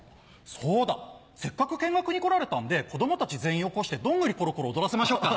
そうだせっかく見学に来られたんで子供たち全員起こして『どんぐりころころ』踊らせましょうか？